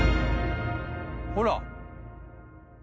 ほら！